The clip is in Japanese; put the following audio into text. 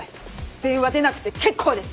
電話出なくて結構です！